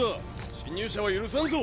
侵入者は許さんぞ！